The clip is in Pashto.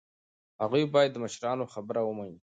هغوی باید د مشرانو خبره ومني.